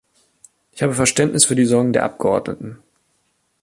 Ich habe Verständnis für die Sorgen der Abgeordneten.